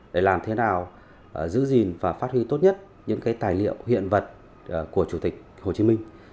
để làm thế nào giữ gìn và phát huy tốt nhất những tài liệu hiện vật của chủ tịch hồ chí minh